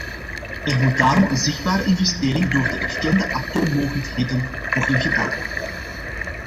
Er moet daarom een zichtbare investering door de erkende atoommogendheden worden gedaan.